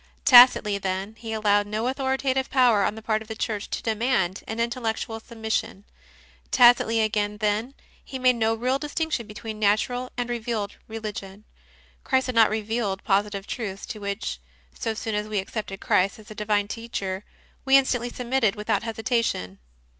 Tacitly, then, he allowed no authoritative power on the part of the Church to demand an intellectual submission; tacitly, again, then, he made no real distinction between Natural and Revealed Religion: Christ had not revealed positive truths to which, so soon as we accepted Christ as a Divine Teacher, we instantly submitted without hesitation.